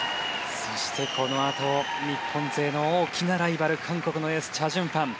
そして、このあと日本勢の大きなライバル韓国のエースチャ・ジュンファン。